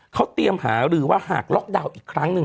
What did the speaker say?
เขาเตรียมหารือว่าหากล็อกดาวน์อีกครั้งหนึ่ง